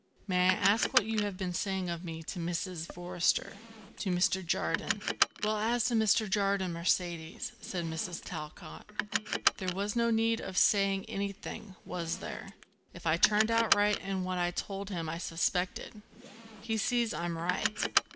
"May I ask what you have been saying of me to Mrs. Forrester, to Mr. Jardine?" "Well, as to Mr. Jardine, Mercedes," said Mrs. Talcott, "there was no need of saying anything, was there, if I turned out right in what I told him I suspected. He sees I'm right.